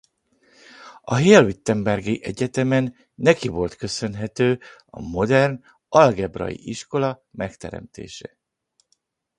A halle–wittenbergi egyetemen neki volt köszönhető a modern algebrai iskola megteremtése.